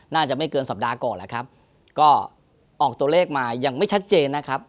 น่าจะไม่เกินสัปดาห์ก่อนแหละครับก็ออกตัวเลขมายังไม่ชัดเจนนะครับ